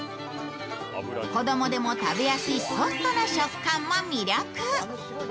子供でも食べやすいソフトな食感も魅力。